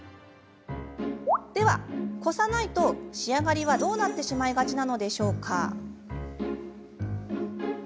では、こさないと仕上がりはどうなってしまいがちなのでしょうか？